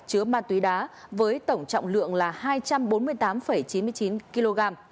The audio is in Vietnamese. chứa ma túy đá với tổng trọng lượng là hai trăm bốn mươi tám chín mươi chín kg